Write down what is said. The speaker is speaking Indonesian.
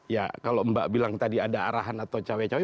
ya kalau mbak bilang tadi ada arahan atau cawe cawe